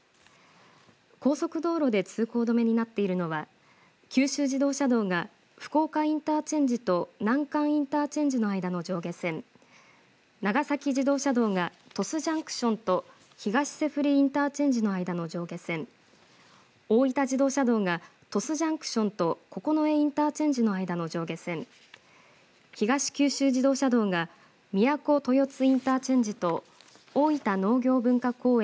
高速道路で通行止めになっているのは九州自動車道が福岡インターチェンジと南関インターチェンジの間の上下線、長崎自動車道が鳥栖ジャンクションと東脊振インターチェンジの間の上下線、大分自動車道が鳥栖ジャンクションと九重インターチェンジの間の上下線、東九州自動車道がみやこ豊津インターチェンジと大分農業文化公園